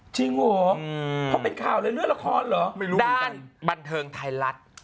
จริงเหรออืมเพราะเป็นข่าวเลยเลื่อนละครเหรอไม่รู้ด้านบันเทิงไทยรัฐ